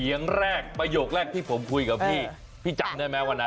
อย่างแรกประโยคแรกที่ผมคุยกับพี่พี่จำได้ไหมวันนั้น